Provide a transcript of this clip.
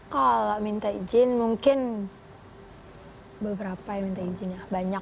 kalau minta izin mungkin beberapa yang minta izin ya banyak